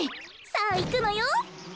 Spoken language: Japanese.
さあいくのよ。